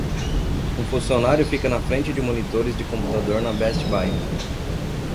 Um funcionário fica na frente de monitores de computador na Best Buy.